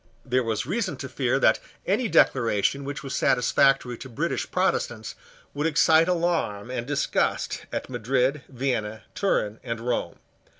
There was reason to fear that any declaration which was satisfactory to British Protestants would excite alarm and disgust at Madrid, Vienna, Turin, and Rome.